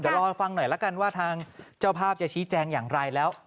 เดี๋ยวรอฟังหน่อยละกันว่าทางเจ้าภาพจะชี้แจงอย่างไรแล้ว